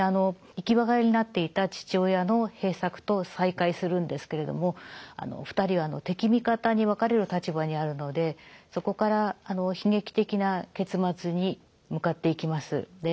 生き別れになっていた父親の平作と再会するんですけれども２人は敵味方に分かれる立場にあるのでそこから悲劇的な結末に向かっていきます。